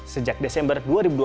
sejak desember dua ribu dua puluh